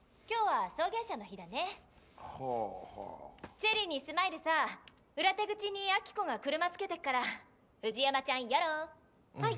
チェリーにスマイルさ裏手口にあき子が車つけてっからフジヤマちゃんよろ。はい。